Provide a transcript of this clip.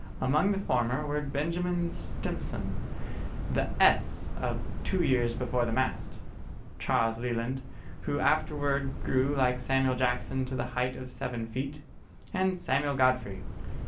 Among the former were Benjamin Stimson, the "S" of Two Years Before the Mast; Charles Leland, who afterwards grew like Samuel Jackson to the height of seven feet; and Samuel Godfrey.